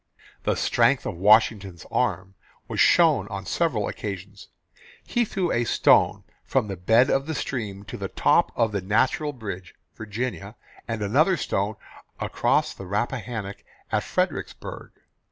The strength of Washington's arm was shown on several occasions. He threw a stone from the bed of the stream to the top of the Natural Bridge, Virginia, and another stone across the Rappahannock at Fredericksburg.